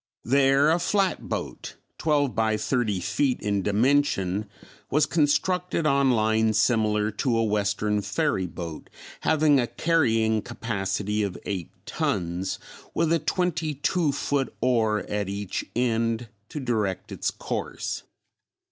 There a flatboat, twelve by thirty feet in dimension, was constructed on lines similar to a western ferry boat, having a carrying capacity of eight tons with a twenty two foot oar at each end to direct its course.